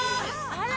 あら！